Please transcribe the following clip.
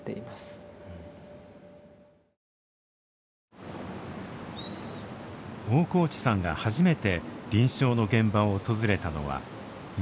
大河内さんが初めて臨床の現場を訪れたのは２００１年２２歳の時。